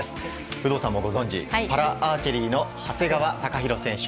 有働さんもご存じパラアーチェリーの長谷川貴大選手。